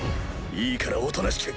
いいからおとなしく。